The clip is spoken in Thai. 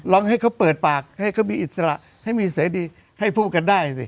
ลองให้เขาเปิดปากให้เขามีอิสระให้มีเสดีให้พูดกันได้สิ